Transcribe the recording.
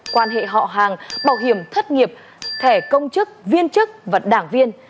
quan hệ họ hàng bảo hiểm thất nghiệp thẻ công chức viên chức và đảng viên